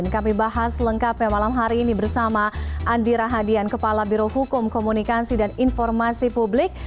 kami bahas lengkapnya malam hari ini bersama andi rahadian kepala birohukum komunikasi dan informasi publik